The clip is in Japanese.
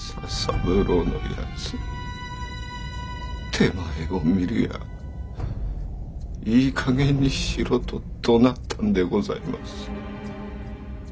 手前を見るやいいかげんにしろとどなったんでございます。